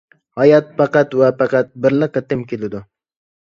ھايات پەقەت ۋە پەقەت بىرلا قېتىم كېلىدۇ!